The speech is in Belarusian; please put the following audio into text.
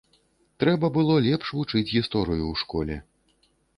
Трэба было лепш вучыць гісторыю ў школе.